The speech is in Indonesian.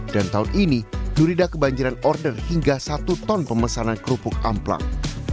dan tahun ini nurida kebanjiran order hingga satu ton pemesanan kerupuk amplang